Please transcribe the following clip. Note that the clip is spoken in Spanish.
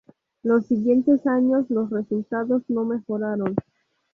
Los siguientes años los resultados no mejoraron.